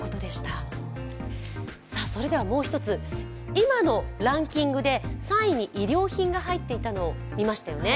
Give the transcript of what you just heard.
今のランキングで３位に衣料品が入っていたの、見ましたよね。